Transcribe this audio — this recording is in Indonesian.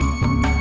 liat dong liat